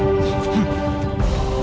ada yang ingin masuk